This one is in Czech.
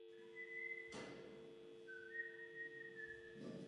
Jedná se o první století druhého tisíciletí.